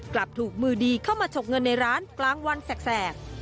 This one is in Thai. กลับถูกมือดีเข้ามาฉกเงินในร้านกลางวันแสก